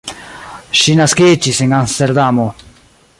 Ŝi naskiĝis en Amsterdamo.